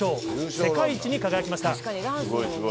世界一に輝きました。